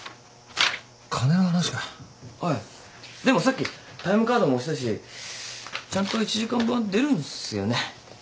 でもさっきタイムカードも押したしちゃんと１時間分は出るんすよね。